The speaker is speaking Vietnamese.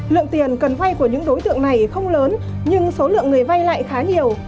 lượng tiền cần vay của những đối tượng này không lớn nhưng số lượng người vay lại khá nhiều